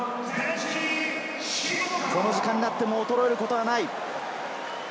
この時間になっても衰えることはない。